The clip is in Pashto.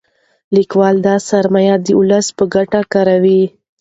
لیکوال دا سرمایه د ولس په ګټه کاروي.